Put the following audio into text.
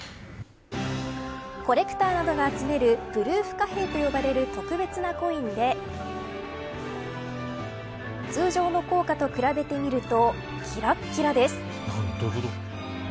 コレクターなどが集めるプルーフ貨幣と呼ばれる特別なコインで通常の硬貨と比べてみるときらっきらです。